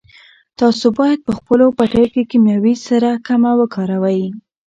تاسو باید په خپلو پټیو کې کیمیاوي سره کمه وکاروئ.